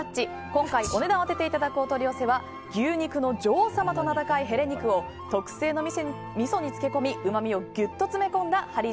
今回、お値段を当てていただくお取り寄せは牛肉の女王様と名高いヘレ肉を特製のみそに漬け込みうまみをギュッと詰めこんだはり